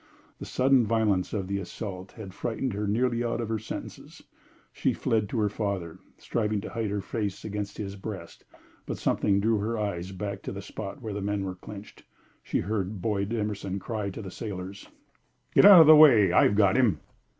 The sudden violence of the assault had frightened her nearly out of her senses. She fled to her father, striving to hide her face against his breast, but something drew her eyes back to the spot where the men were clinched. She heard Boyd Emerson cry to the sailors: "Get out of the way! I've got him!"